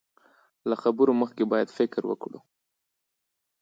له خبرو مخکې بايد فکر وکړو.